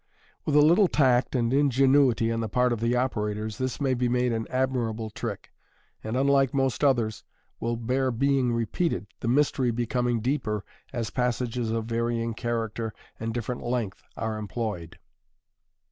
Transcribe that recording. With a little tact and ingenuity on the part of the operators, this may be made an admirable trick, and, unlike most others, will bear being repeated, the mystery becoming deeper as passages of varying character and different length are employed.